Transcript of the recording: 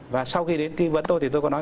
và sau khi đến kinh vấn tôi thì tôi có nói